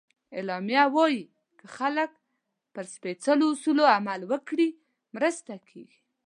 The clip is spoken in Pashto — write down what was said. اعلامیه وایي که خلک پر سپیڅلو اصولو عمل وکړي، مرسته کېږي.